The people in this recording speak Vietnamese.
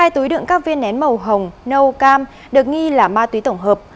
hai túi đựng các viên nén màu hồng nâu cam được nghi là ma túy tổng hợp